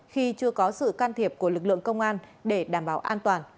khi chưa có sự can thiệp của lực lượng công an để đảm bảo an toàn